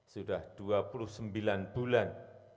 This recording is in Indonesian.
sudah dua puluh sembilan bulan